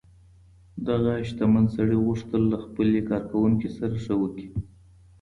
دغه شتمن سړي غوښتل له خپلې کارکوونکې سره ښه وکړي.